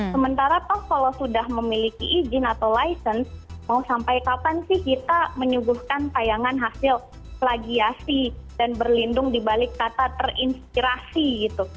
sementara toh kalau sudah memiliki izin atau license mau sampai kapan sih kita menyuguhkan tayangan hasil plagiasi dan berlindung dibalik kata terinspirasi gitu